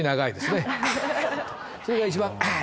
それが一番「ああ！」